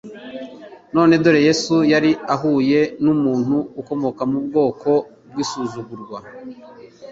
None dore Yesu yari ahuye n'umuntu ukomoka mu bwoko bw'insuzugurwa